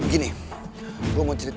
gue akan dukung lo berdua